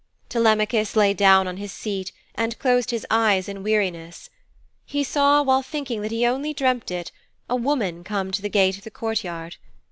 Telemachus lay down on his seat and closed his eyes in weariness. He saw, while thinking that he only dreamt it, a woman come to the gate of the courtyard.